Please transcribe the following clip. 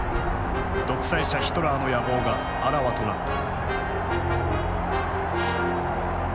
独裁者ヒトラーの野望があらわとなった。